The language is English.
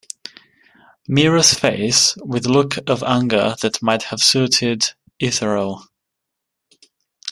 Mirah's face, with a look of anger that might have suited Ithuriel.